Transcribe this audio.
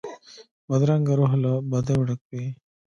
بدرنګه روح له بدیو ډک وي